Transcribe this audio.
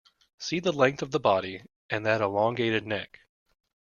See the length of the body and that elongated neck.